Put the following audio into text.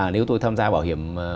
nếu tôi tham gia bảo hiểm